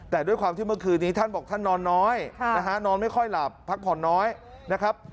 แต่ด้วยความที่เมื่อคืนนี้ท่านบอกท่านนอนน้อยนะฮะนอนไม่ค่อยหลับพักผ่อนน้อยนะครับ